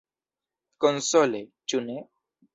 Konsole, ĉu ne?